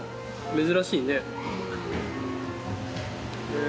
珍しいね。